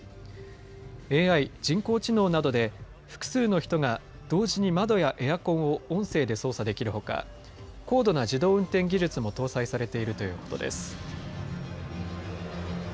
ＡＩ、人工知能などで複数の人が同時に窓やエアコンを音声で操作できるほか高度な自動運転技術も搭載されているということです。